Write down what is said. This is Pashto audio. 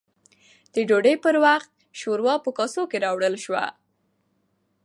د ډوډۍ پر وخت، شورا په کاسو کې راوړل شوه